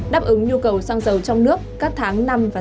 đáp ứng nhu cầu xăng dầu trong nước các tháng năm và sáu